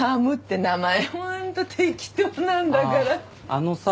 あのさ。